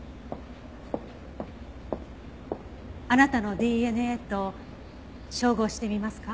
あなたのＤＮＡと照合してみますか？